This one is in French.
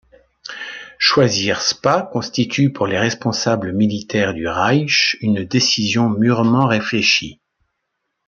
Choisir Spa constitue, pour les responsables militaires du Reich, une décision mûrement réfléchie.